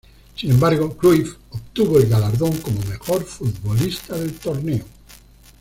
Sin embargo, Cruyff obtuvo el galardón como mejor futbolista del torneo.